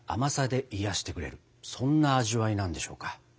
そんな味わいなんでしょうか。